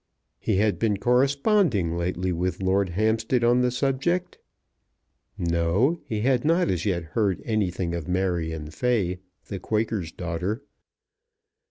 He had been corresponding lately with Lord Hampstead on the subject. No; he had not as yet heard anything of Marion Fay, the Quaker's daughter.